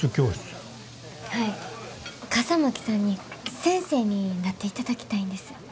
笠巻さんに先生になっていただきたいんです。